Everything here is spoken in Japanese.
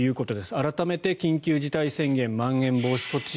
改めて、緊急事態宣言まん延防止措置